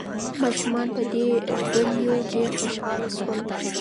ماشومان په دې ډالیو ډېر خوشاله شول.